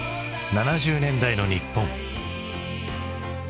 ７０年代の日本。